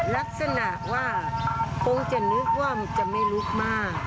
ลักษณะว่าคงจะนึกว่ามันจะไม่ลุกมาก